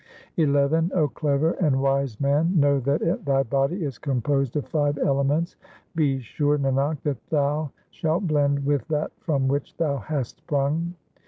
XI O clever and wise man, know that thy body is composed of five elements ; Be sure, Nanak, that thou shalt blend with that from which thou hast sprung.